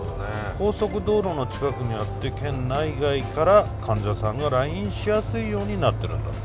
高速道路の近くにあって県内外から患者さんが来院しやすいようになってるんだって。